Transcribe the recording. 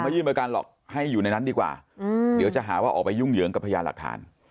ยื่นประกันหรอกให้อยู่ในนั้นดีกว่าเดี๋ยวจะหาว่าออกไปยุ่งเหยิงกับพยานหลักฐาน